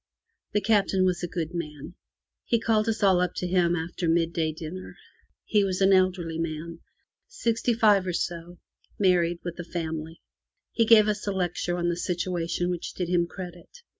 The Captain was a good man. He called us all up to him after mid day dinner. He was an elderly man — sixty five or so — married, with a family. He gave us a lecture on the situation which did him credit.